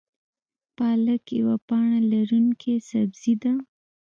پالک یوه پاڼه لرونکی سبزی ده